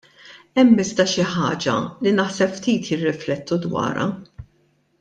Hemm iżda xi ħaġa li naħseb ftit jirriflettu dwarha.